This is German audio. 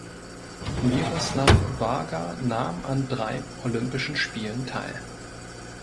Miroslav Varga nahm an drei Olympischen Spielen teil.